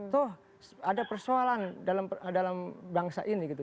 toh ada persoalan dalam bangsa ini gitu